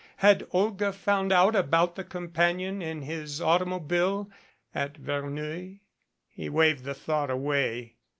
Had Olga found out about the com panion in his automobile at Verneuil? He waved the thought away.